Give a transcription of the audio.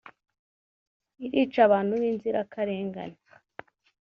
irica abantu b’inzirakarengane